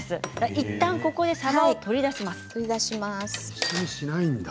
いったんここでさばを取り出します。